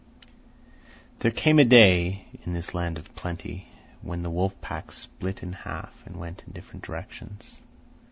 There came a day, in this land of plenty, when the wolf pack split in half and went in different directions.